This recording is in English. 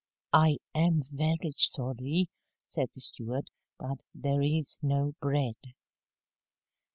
"I am very sorry," said the steward, "but there is no bread."